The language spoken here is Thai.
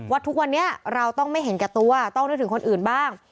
ทุกวันนี้เราต้องไม่เห็นแก่ตัวต้องนึกถึงคนอื่นบ้าง